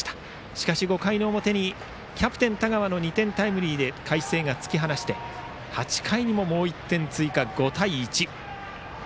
しかし５回の表にキャプテン田川の２点タイムリーで海星が突き放して８回にももう１点追加、５対１。